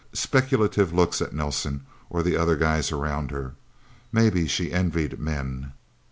Speculative looks at Nelsen, or the other guys around her. Maybe she envied men.